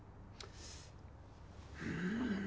うん。